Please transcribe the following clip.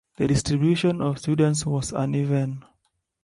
The distribution of students was uneven.